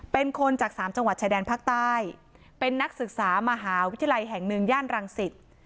เป็นคนจากสามจังหวัดชายแดนภาคใต้เป็นนักศึกษามหาวิทยาลัยแห่งหนึ่งย่านรังสิต